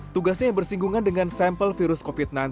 tugasnya yang bersinggungan dengan sampel virus covid sembilan belas